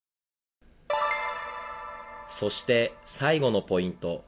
そして最後のポイント。